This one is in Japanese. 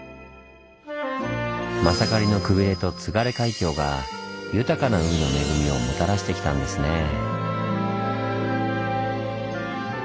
まさかりのくびれと津軽海峡が豊かな海の恵みをもたらしてきたんですねぇ。